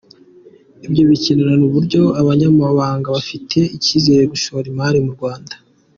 Ibyo bikerekana uburyo abanyamahanga bafitiye icyizere gushora imari mu Rwanda.